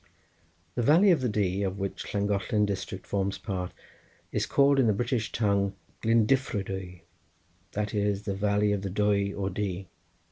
The valley of the Dee, of which the Llangollen district forms part, is called in the British tongue Glyndyfrdwy—that is, the valley of the Dwy or Dee.